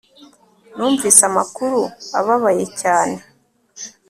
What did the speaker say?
Numvise amakuru ababaye cyane